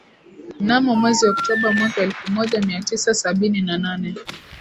Mnamo mwezi Oktoba mwaka elfu moja mia tisa sabini na nane